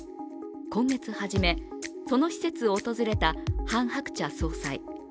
今月初め、その施設を訪れたハン・ハクチャ総裁。